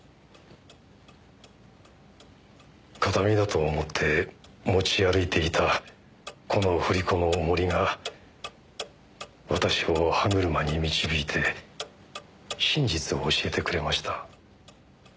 形見だと思って持ち歩いていたこの振り子の重りが私を歯車に導いて真実を教えてくれました。